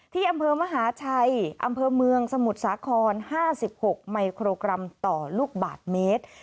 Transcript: ที่อำเภอมหาชัยอำเภอเมืองสมุทรสาคร๕๖มิโครกรัมต่อลูกบาทเมตร